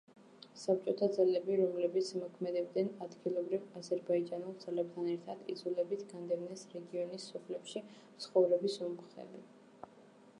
საბჭოთა ძალები, რომლებიც მოქმედებდნენ ადგილობრივ აზერბაიჯანულ ძალებთან ერთად, იძულებით განდევნეს რეგიონის სოფლებში მცხოვრები სომხები.